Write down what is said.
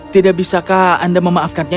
tidak bisa kau memaafkannya